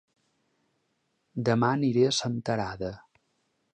Dema aniré a Senterada